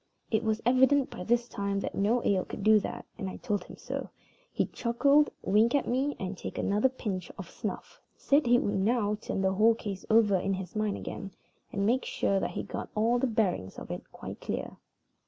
It was evident by this time that no ale could do that, and I told him so. He chuckled, winked at me, and, taking another pinch of snuff, said he would now turn the whole case over in his mind again, and make sure that he had got all the bearings of it quite clear.